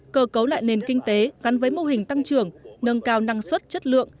cơ cấu lại nền kinh tế gắn với mô hình tăng trưởng nâng cao năng suất chất lượng